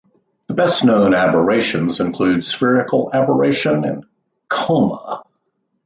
The best-known aberrations include spherical aberration and coma.